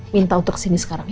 minta untuk sini sekarang ya